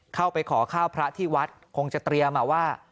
เข้าไปขอข้าวพระที่วัดคงจะเตรียมว่า